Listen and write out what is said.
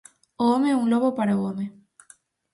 O home é un lobo para o home.